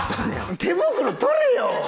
手袋取れよ！